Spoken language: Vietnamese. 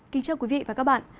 kính chào quý vị và các bạn